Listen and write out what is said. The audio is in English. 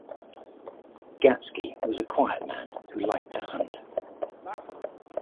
Gatski was a quiet man who liked to hunt.